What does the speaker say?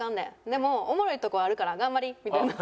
「でもおもろいとこはあるから頑張り！」みたいな。